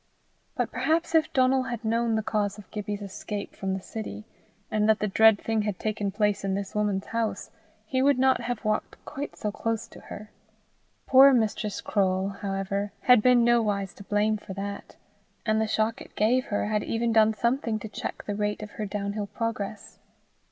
But perhaps if Donal had known the cause of Gibbie's escape from the city, and that the dread thing had taken place in this woman's house, he would not have walked quite so close to her. Poor Mistress Croale, however, had been nowise to blame for that, and the shock it gave her had even done something to check the rate of her downhill progress.